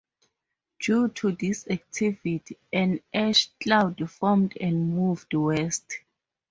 Due to this activity, an ash cloud formed and moved west.